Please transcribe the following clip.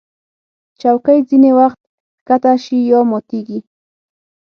چوکۍ ځینې وخت ښکته شي یا ماتېږي.